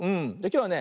きょうはね